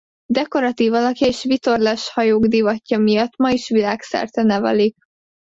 Dekoratív alakja és a vitorlás hajók divatja miatt ma is világszerte nevelik.